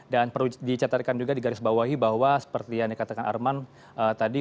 dicatatkan juga di garis bawahi bahwa seperti yang dikatakan arman tadi